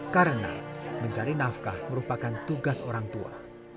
karena mencari nafkah merupakan tugas orang tua